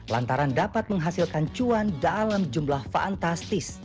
lantaran dapat menghasilkan cuan dalam jumlah fantastis